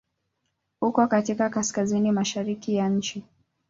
Uko katika Kaskazini mashariki ya nchi.